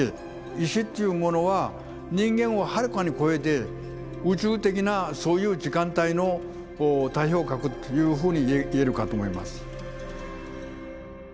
石っていうものは人間をはるかに超えて宇宙的なそういう時間帯の代表格というふうにいえるかと思います。